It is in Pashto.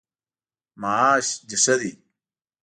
معاش د ښه دی؟